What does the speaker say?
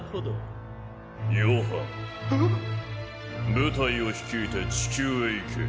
部隊を率いて地球へ行け。